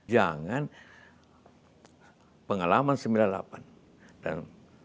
jangan pengalaman sembilan puluh delapan dan seribu sembilan ratus enam puluh enam